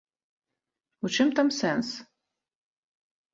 У чым там сэнс?